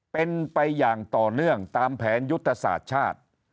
เป็นไปอย่างต่อเนื่องตามแผนยุทธศาสตร์ชาติ